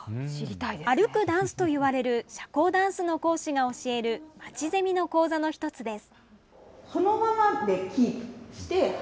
歩くダンスと言われる社交ダンスの講師が教えるまちゼミの講座の１つです。